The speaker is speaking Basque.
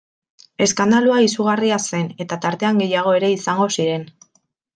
Eskandalua izugarria zen eta tartean gehiago ere izango ziren...